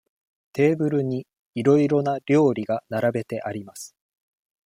テーブルにいろいろな料理が並べてあります。